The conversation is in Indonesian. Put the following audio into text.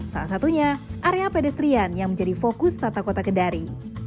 salah satunya area pedestrian yang menjadi fokus tata kota kendari